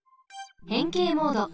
へんけいモード。